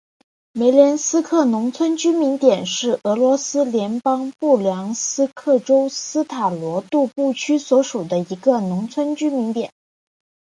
梅连斯克农村居民点是俄罗斯联邦布良斯克州斯塔罗杜布区所属的一个农村居民点。